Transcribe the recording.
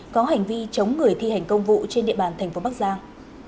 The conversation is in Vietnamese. có hành vi chống người thi hành công vụ trên địa bàn tp bắc giang